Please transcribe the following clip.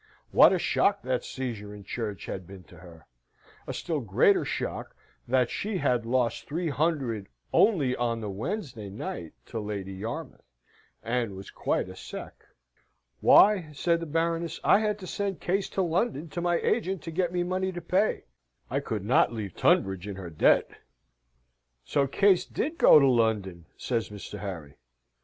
What a shock that seizure in church had been to her! A still greater shock that she had lost three hundred only on the Wednesday night to Lady Yarmouth, and was quite a sec. "Why," said the Baroness, "I had to send Case to London to my agent to get me money to pay I could not leave Tunbridge in her debt." "So Case did go to London?" says Mr. Harry.